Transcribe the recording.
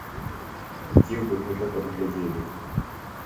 Дзе вы гэта падглядзелі?